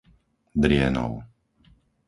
Drienov